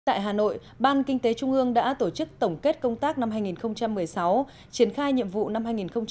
tại hà nội ban kinh tế trung ương đã tổ chức tổng kết công tác năm hai nghìn một mươi sáu triển khai nhiệm vụ năm hai nghìn hai mươi